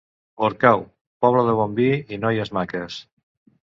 Orcau, poble de bon vi i noies maques.